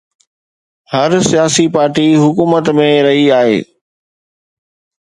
هر سياسي پارٽي حڪومت ۾ رهي آهي.